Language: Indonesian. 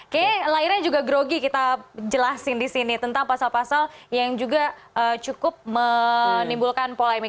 kayaknya lahirnya juga grogi kita jelasin di sini tentang pasal pasal yang juga cukup menimbulkan polemik